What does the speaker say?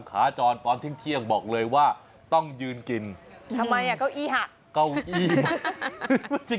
ขาจรก่อนที่เที่ยงบอกเลยว่าต้องยืนกินทำไมเก้าอี้หัก